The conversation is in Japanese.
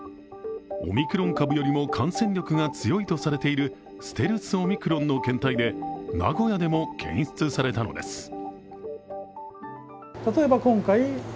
オミクロン株よりも感染力が強いとされているステルスオミクロンの検体で、名古屋でも検出されたのです。